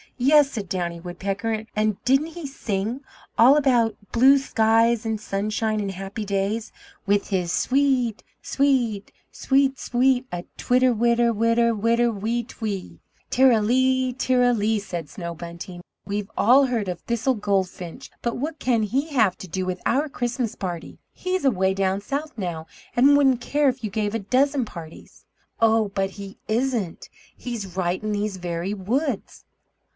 "Yes," said Downy Woodpecker, "and didn't he sing? All about blue skies, and sunshine and happy days, with his 'Swee e et sweet sweet sweet a twitter witter witter witter wee twea!'" "Ter ra lee, ter ra lee," said Snow Bunting. "We've all heard of Thistle Goldfinch, but what can he have to do with your Christmas party? He's away down South now, and wouldn't care if you gave a dozen parties." "Oh, but he isn't; he's right in these very woods!"